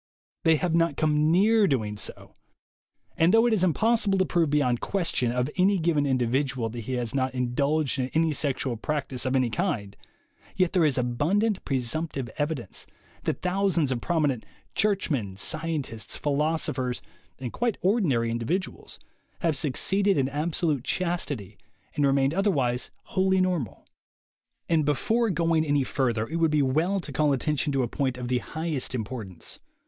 They have not come near doing so. And though it is impossible to prove beyond question of any given individual that he has not indulged in any sexual practice of any kind, yet there is abundant presumptive evidence that thousands of prominent churchmen, scientists, phil osophers and quite ordinary individuals have suc ceeded in absolute chastity and remained otherwise wholly "normal." And before going any further it would be well to call attention to a point of the highest impor THE WAY TO WILL POWER 99 tance.